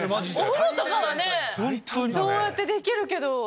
お風呂とかはねそうやってできるけど。